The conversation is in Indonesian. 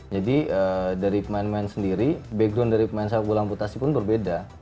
jadi dari pemain pemain sendiri background dari pemain sepak bola amputasi pun berbeda